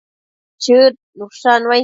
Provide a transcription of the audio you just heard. Chëd nushannuai